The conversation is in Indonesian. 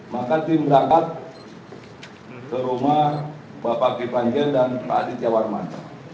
maka tim berangkat ke rumah bapak kipanjel dan pak aditya warman